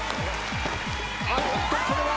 あっとこれは。